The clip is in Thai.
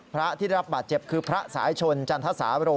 พระที่ได้รับบาดเจ็บคือพระสายชนจันทสาโร